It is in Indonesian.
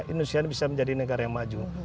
indonesia bisa menjadi negara yang maju